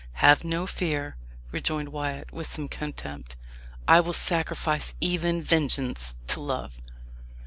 "Have no fear," rejoined Wyat, with some contempt; "I will sacrifice even vengeance to love."